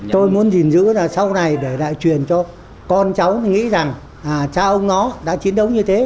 tôi muốn gìn giữ là sau này để lại truyền cho con cháu nghĩ rằng cha ông nó đã chiến đấu như thế